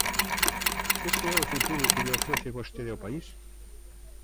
¿Ese é o futuro que lle ofrece vostede ao país?